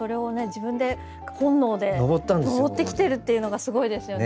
自分で本能でのぼってきてるっていうのがすごいですよね。